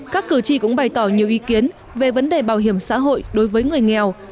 các cử tri cũng bày tỏ nhiều ý kiến về vấn đề bảo hiểm xã hội đối với người nghèo